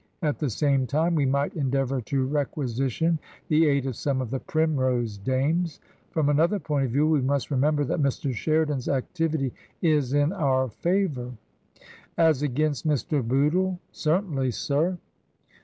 At the same time we might endeavour to requisition the aid of some of the Primrose Dames. From another point of view we must remember that Mr. Sheridan's activity is in our favour." " As against Mr. Bootle ? Certainly, sir."